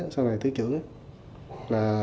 sau này tư trưởng